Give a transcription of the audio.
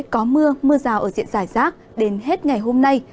có mưa mưa rào ở diện giải rác đến hết ngày hôm nay